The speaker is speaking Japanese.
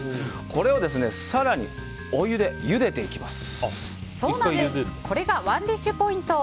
これを更にお湯でゆでていきます。